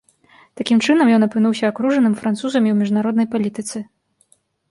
Такім чынам, ён апынуўся акружаным французамі ў міжнароднай палітыцы.